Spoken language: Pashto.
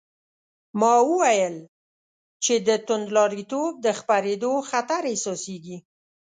ما وویل چې د توندلاریتوب د خپرېدو خطر احساسېږي.